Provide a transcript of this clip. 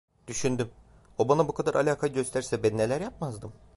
Düşündüm: O bana bu kadar alaka gösterse ben neler yapmazdım?